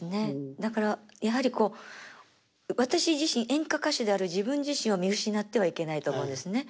だからやはりこう私自身演歌歌手である自分自身を見失ってはいけないと思うんですね。